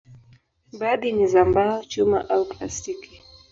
Baadhi ni za mbao, chuma au plastiki.